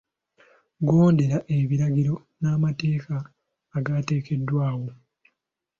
Gondera ebiragiro n'amateeka agateekeddwawo.